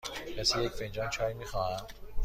کسی یک فنجان چای می خواهد؟